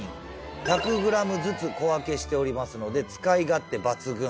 １００ｇずつ小分けしておりますので使い勝手抜群」